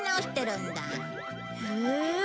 へえ。